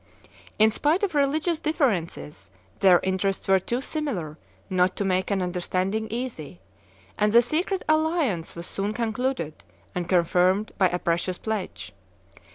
In spite of religious differences their interests were too similar not to make an understanding easy; and the secret alliance was soon concluded and confirmed by a precious pledge.